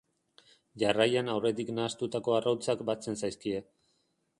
Jarraian aurretik nahastutako arrautzak batzen zaizkie.